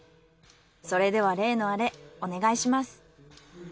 それでは例のアレお願いします。